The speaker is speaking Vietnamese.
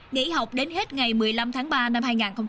nghỉ học đến hết ngày một mươi năm tháng ba năm hai nghìn hai mươi